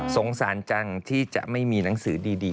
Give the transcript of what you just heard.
สงสารจังที่จะไม่มีหนังสือดี